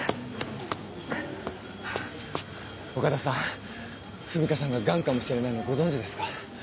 岡田さん文香さんがガンかもしれないのご存じですか？